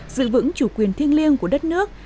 giữ vững chủ quyền thiêng liêng của đất nước